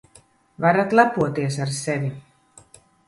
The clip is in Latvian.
Varat lepoties ar sevi.